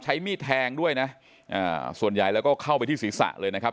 มีดแทงด้วยนะส่วนใหญ่แล้วก็เข้าไปที่ศีรษะเลยนะครับ